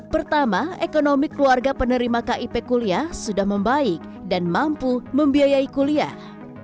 pertama ekonomi keluarga penerima kip kuliah sudah membaik dan mampu membiayai kuliah